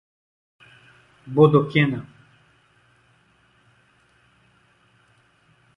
Bodoquena